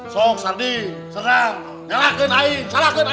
sok sardi segar nyalahkan air nyalahkan air kita